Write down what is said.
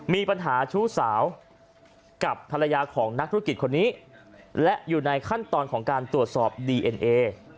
มีปัญหาชู้สาวกับภรรยาของนักธุรกิจคนนี้และอยู่ในขั้นตอนของการตรวจสอบดีเอ็นเอ